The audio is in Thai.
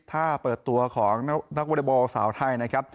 ท่าเปิดตัวของนักวอลเตอร์บอลสาวไทย